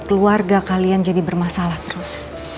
keluarga kalian jadi bermasalah terus